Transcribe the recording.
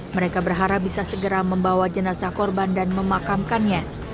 mereka berharap bisa segera membawa jenazah korban dan memakamkannya